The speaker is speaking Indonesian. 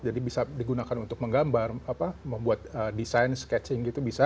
jadi bisa digunakan untuk menggambar membuat desain sketching